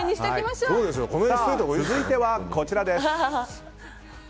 続いては、こちらです。